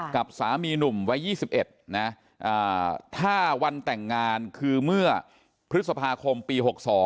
กับสามีหนุ่มวัย๒๑นะถ้าวันแต่งงานคือเมื่อพฤษภาคมปี๖๒